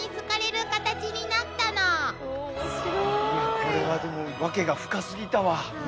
いやこれはでもワケが深すぎたわ。